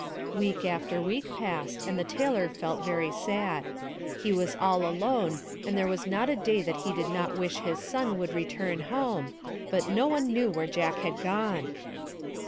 Week after week passed, and the tailor felt very sad. He was all alone and there was not a day that he did not wish his son would return home, but no one knew where Jack had gone.